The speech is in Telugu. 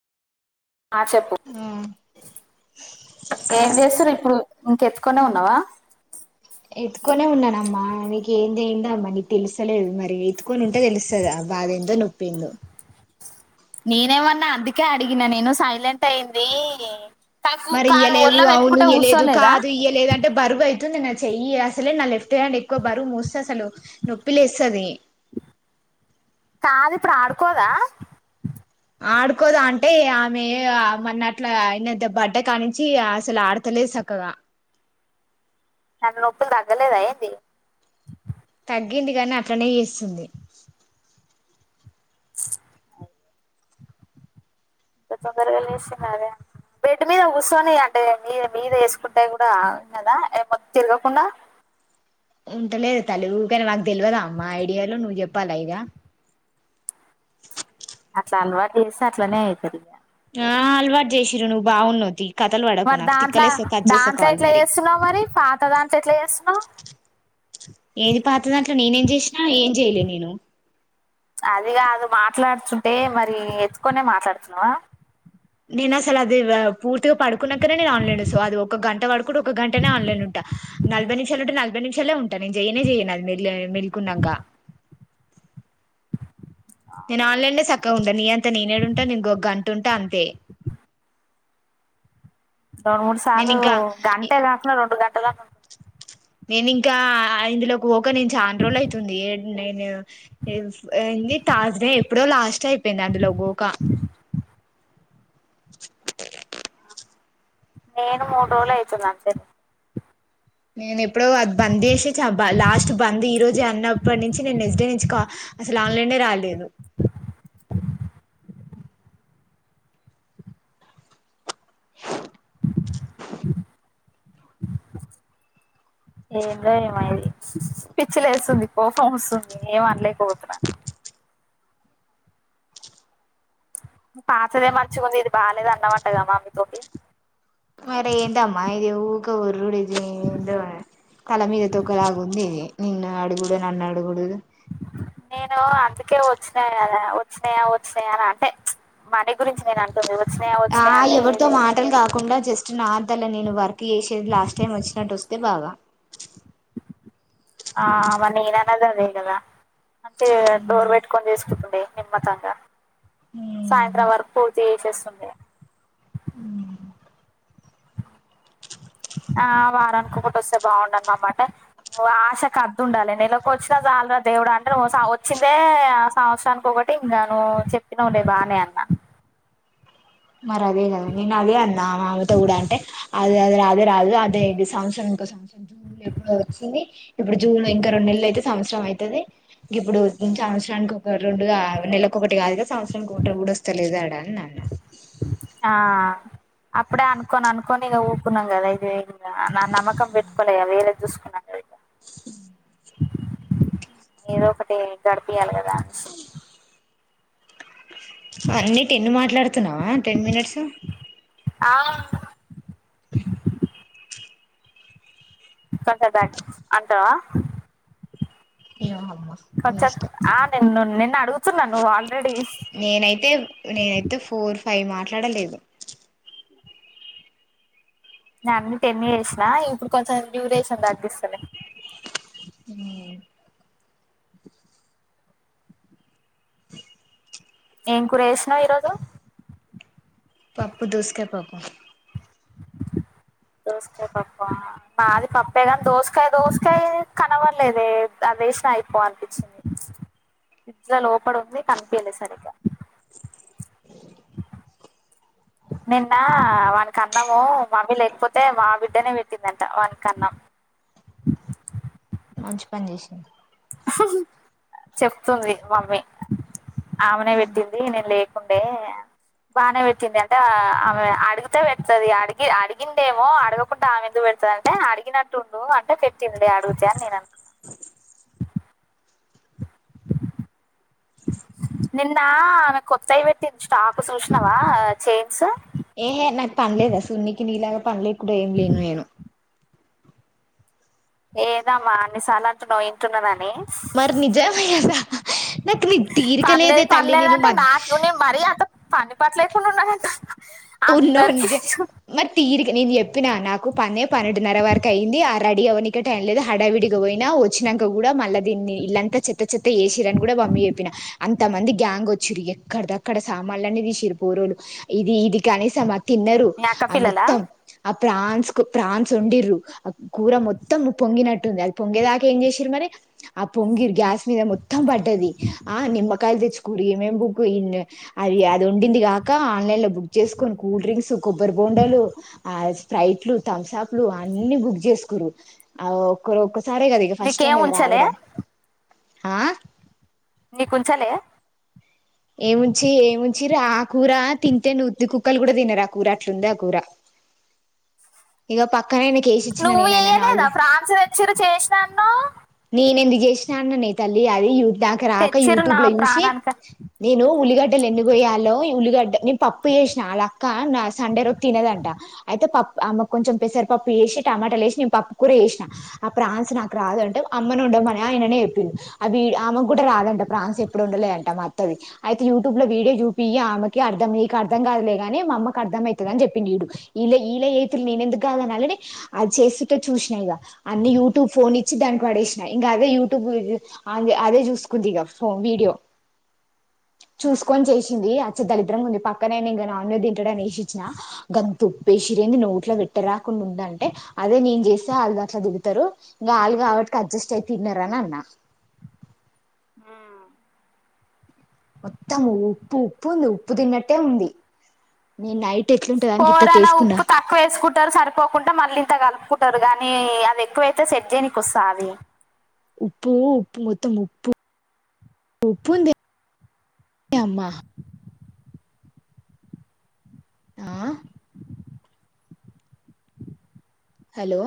ఆ చెప్పు. ఏం జేస్తురిప్పుడు.? ఇంకెత్త్కునే ఉన్నావా.? ! ఎత్త్కొనే ఉన్నానమ్మా. నీకు ఏందెందామ్మ నీక్ తెలుసలేదు మరి ఎత్తుకొనుంటే దెలుస్తదాబా. దెందో, నొప్పెందో. నేనేమన్నా అందుకే అడిగిన నేను సైలెంటయింది. మరి ఇయ్యలేవు, అవును ఇయ్వలేదు, కాదు ఇయ్వలేదు, అంటే బరువుయి. తుంది నా చెయ్యి. అసలే నా లెఫ్ట్ హ్యాండ్ ఎక్కువ బరువు మూస్తే అసలు నొప్పిలేస్తది. కాదిప్పుడు ఆడుకోదా.? ! ఆడుకోద అంటే ఆమె మన్న అట్ల అయిన దబడ్డ కానించి అసలు ఆడతలే స. కగా. నన్నొప్పుల్ దగ్గలేద ఏంది.? తగ్గింది గానీ అట్లనే ఏస్తుంది. అయ్యా. ఇంత తొందరగా లేసినాదే. బెడ్డు మీద గూసోని అంటే మీదె, మీదెసుకుంటే గూడా కదా ఏమొ తిరగకుండా. ! ఉంటలేదె తల్లి ఊకానె మాకు దెల్వదా అమ్మా ఐడియాలూ నువ్వ్ జెప్పాలా ఇగ. అట్లా అల్వాటు జేస్తే అట్లనే అయితదిగా. ఆ అల్వాటు జేసిరు నువ్వు బావున్నవ్ తీ. కథలు పడకు మరి నాకు దాంట్ల తిక్కలేస్తాది కట్ చేస్తా దాంట్ల కాల్ ఎట్లా మరి చేస్తున్నావు మరి పాత దాంట్ల ఎట్లా చేస్తున్నావు ఏది పాతందట్ల నేనేం చేసినా ఏం చెయలే నేను అదిగాదు మాట్లాడుతుంటే మరి ఎత్తుకొనే మాట్లాడుతున్నావా నేను అసలు అది రా పూర్తిగా పడుకున్నక నేను ఆన్లైన్ సో అది ఒక గంట పడుకుంటే ఒక గంటనే ఆన్లైన్ ఉంటా నలభై నిమిషాలు ఉంటే నలభై నిషాలె ఉం ట నేను చెయనే చేయను అది మ మెల్లుకున్నాక నేను ఆన్లైన్ సక్కగుండా నీ అంత నేనెడుంట ఇంకో గంట ఉంటా అంతే రెండు మూడు నేను సార్లు ఇంకా గంట కాకుడా రెండు గంటలన్న ఉంట నేనింక ఇందులోకి పోక నేను చన రోజులు అవుతుంది నేను న్ధీ తాజ్డే ఎప్పుడో లాస్ట్ అయిపోయింది అందులో గోక [unintelligible] నేను మూరోలు అత్తుంది అంతే నేను ఎప్పుడో అది బంద్ చేసే చ బ లాస్ట్ బంద్ ఈ రోజు అన్నప్పటి నుంచి నేను నెక్స్ట్ డే నుంచి కా అసలన్లైనే రాలేదు ఏందో ఏమది పిచ్చిలేస్తుంది కోపం వస్తుంది ఏమనలేకపోతన [unintelligible] పాతదే మర్చికుంది ఇది బాగాలేదు అన్నమాటగా మమ్మీతోటి మరి ఎందమ్మా ఇది ఊకె ఓర్రూడు ఏందో తల మీద తొక్కలాగు ఉంది ఇది నిన్ను అడుగుడు నన్ను అడుగుడు నేను అందుకే వచ్చిన కదా వచ్చినాయా వచ్చినాయా అంటే మనీ గురించి నేను అంటంది ఆ ఎవరితో మాటలు కాకుండా జస్ట్ నార్ తల నేను వర్క్ చేసేది లాస్ట్ టైం వచ్చినట్టు వస్తే బాగా ఆ మరే నేననేది అదే గద అంటే డోర్పెట్ కోనిచేసుకుంటండే నిమ్మతంగా ఉమ్ సాయంత్రం వరకు పూర్తి చేసేస్తుంది [unintelligible] ఆ వారనీకోకటి వస్తే బాగుండు అన మాట ఓ ఆశకద్దు ఉండాలి నెలకి వచ్చినా చాలరా దేవుడు అంటే వచ్చిందే ఆ సంవత్సరానికి ఒక కాట్టి ఇంకాను చెప్పినఉలే బాగానే అన్నా మరి అదే కదా నేను అదే అన్నా మామతో కూడా అంటే అదేఅదే అదే రాదు అదేది సంత్సరం ఇంకో సంవత్సర జూన్ ఎప్పుడు వచ్చింది ఇప్పుడు జూన్ ఇంకా రెండు నెలలు అయితే [inaudible] సంవత్సరం అయితది గిప్పుడు సంవత్సరానికి ఒక రెండు నెలకోకటి కాదు సంవత్సరానికి ఒకటి కుడుస్తలేదన్న ఆ అప్పుడే అనుకోని అనుకోని ఇక ఊప్పున్నాం కదా ఇదు వే నా నమ్మకం పెట్టుకోలే కద వేరే చూసుకున్నాను ఏదో ఒకటి గడిపియాలి కదా అన్ని టెన్ మాట్లాడుతున్నావా టెన్ మినిట్స్ ఆ [unintelligible] అంటవా ఏమమ్మ నీ ఇష్టం ను నిన్నడుగ్ నేనైతే నేనైతే ఫోర్ ఫైవ్ మాట్లాడలేదు న అన్నీ టెన్ చేసిన ఇప్పుడు కొంచెం డ్యూరేషన్ తగ్గిస్తుంది ఉమ్ ఏం కూర చేసినవ్ ఈరోజు పప్పు దోసుకా పప్పు దోసకాయ పప్పా మాది పప్పే కాని దోసకాయ దోసకాయ కనవడలేదే వేష్ణ అయిపో అనిపించింది అస్సలు లవపడుద్ది కనిపియల సరిగ్గా నిన్న వానకి అన్నము మమ్మీ లేకపోతే మా బిడ్డనే పెట్టిందంట వానికి అన్నం మంచి పని చేసింది చెప్తుంది మమ్మీ ఆమెనే పెట్టింది నేను లేకుండే అ బానే పెట్టింది అంటే ఆమె అడిగితే పెడుతుది అడిగి అడిగిండేమో అడగకుండా ఆమెందుకు పెడత పెడుతది అంటే అడిగినట్టుండు అంటే పెట్టింది అడుగుతే అని నేను అంటున్న అ నిన్నా ఆమె కొత్తయి పెట్టింది స్టాకు చూసినావా చైన్స్ ఏహే నాకు పనిలేదా సూన్నీకి నీలాగా పనిలేకుడా ఏం లేను నేను ఏందమ్మా అన్నిసార్లు అంటున్నావ్ వింటున్నాని మరి నిజమే కదా నాకు నీ తీరిక పని లేదే లేదు పని తల్లి లేదు నేను మ అంటే నాకు నువ్వు మరి అంత పని పాట లేకుండా ఉన్నానంట ఉన్నావును అందరికి నిజ మరి తీరిక నేను చెప్పిన నాకు పనే పన్నెండున్నర వరకు అయింది ఆ రెడీ అవ్వనీకే టైం లేదు హడావిడిగా పోయిన వచ్చినంక కూడా మళ్ళీ దీన్నీ ఇల్లు అంత చెత్త చెత్త చేషీర్రు అని కూడా మమ్మీకి చెప్పిన అంతమంది గ్యాంగ్ వచ్చిడ్రు ఎక్కడిది అక్కడ సామాన్లు అన్ని తీషిర్రు పోరోలు ఇది ఇది కనీసం ఆ తిన్నరు మీ అక్క ఆ పిల్లల మొత్తం ఫ్రాన్స్ కు ఫ్రాన్స్ వండిండ్రు ఆ కూర మొత్తం పొంగినట్టుంది అది పొంగే దాకా ఏం చేషిర్రు మరి ఆ పొంగి గ్యాస్ మీద మొత్తం పడ్డది ఆ నిమ్మకాయలు తెచ్చు ఏమేం బుక్ అది అది ఉండింది కాక ఆన్లైన్ లో బుక్ చేసుకుని కూల్ డ్రింక్స్ కొబ్బరి బోండాలు ఆ స్ప్రైట్ లు థమ్సప్ లు అన్నీ బుక్ చేసుకుర్రు ఆ ఒక్కరొకరు సరే కదా ఇక ఫస్ట్ టైం నీకేం కదా ఉంచలే రావడం ఆ నీకు ఉంచలే ఏముంచి ఏమి ఉంచిర్రు ఆ కూర తింటే నుత్తి కుక్కలు కూడా తినరు ఆ కూర అట్లుంది ఆ కూర ఇక పక్కన ఆయనకు కేసి ఇచ్చిన నువ్వు నేను ఆయన నాలు వేయలేదా ఫ్రాన్స్ తెచ్చిరు చేసినాను నేనెందుకు ఏషిన్నాను నీ తల్లి అది యూట్యూబ్ దాక రాక తెచ్చిరు నా యూట్యూబ్ లో చూసి ప్రాణానికి నేను ఉల్లిగడ్డ ఎన్ని కొయ్యాలో ఉల్లిగడ్డ నేను పప్పు చేసిన వాళ్ళ అక్క నా సండే రోజు తిన్నదంట అయితే పప్పు ఆమెకు కొంచెం పెసరపప్పు చేషీ టమోటాలు వేషి నేను పప్పు కూర చేషిన ఆ ప్రాన్స్ నాకు రాదంటే అమ్మను ఉండమని నిన్ననే చెప్పిండు అవి అమే కూడా రాదంట ప్రాన్స్ ఎప్పుడు వండలేదంట మా అత్తవి అయితే యూట్యూబ్ లో వీడియో చూపియ్యిఆమెకి అర్థంమయి అర్థం కాదులే గాని మామ్మకు అర్థమయితుదని చెప్పండు ఈడు ఇలే ఇలా ఎతులు నేను ఎందుకు కాదనాలని అని అది చేస్తు చూషినా ఇగ అన్ని యూట్యూబ్ ఫోన్ ఇచ్చి దాని పడేషినా ఇంకా అదే యూట్యూబ్ అదే అదే చూసుకుంది ఇక ఫోన్ వీడియో చూసుకొని చేసింది చ దరిద్రంగా ఉంది పక్కనే ఇంక నాన్ వెజ్ తంటడనేషి ఇచ్చినా గ దొప్పేషిరింది నోట్లోపెట్ట రాకుండా ఉంద అంటే అదే నేను చేస్తే ఆళ్ళ ద అట్లా దిగుతారు ఇంకా ఆళ్ళుకాబట్ ఇంక అడ్జస్ట్ అయి తిన్నరనఅన్నా మ్ మొత్తం ఉప్పు ఉప్పు ఉంది ఉప్పు తిన్నట్టే ఉంది నేను నైట్ ఎట్లుంటదని గిత్త కూరల తీసుకున్నా ఉప్పు తక్కువ వేసుకుంటారు సరిపోకుండా మళ్ళీంత గలుపు కుంటారు గానీ అది ఎక్కువైతే సెట్ చేయనీకి వస్తాది ఉప్పు ఉప్పు మోత్తం ఉప్పు ఉప్పుందె అమ్మా ఆ హలో